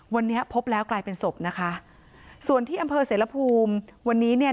วันนี้พบแล้วกลายเป็นศพนะคะส่วนที่อำเภอเสรภูมิวันนี้เนี่ย